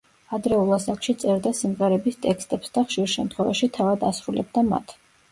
ადრეულ ასაკში წერდა სიმღერების ტექსტებს და ხშირ შემთხვევაში თავად ასრულებდა მათ.